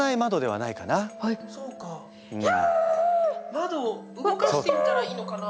窓を動かしてみたらいいのかな。